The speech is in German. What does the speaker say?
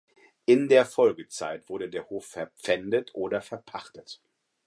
In der Folgezeit wurde der Hof verpfändet oder verpachtet.